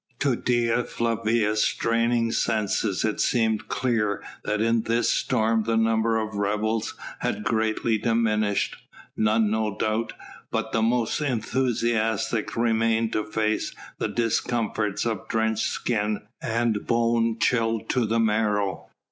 To Dea Flavia's straining senses it seemed clear that in this storm the number of rebels had greatly diminished; none, no doubt, but the most enthusiastic remained to face the discomforts of drenched skin and bone chilled to the marrow.